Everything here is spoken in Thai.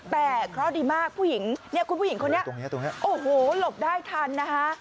แต่เคราะห์ดีมากผู้หญิงเนี่ยคุณผู้หญิงคนนี้ตรงนี้โอ้โหหลบได้ทันนะคะ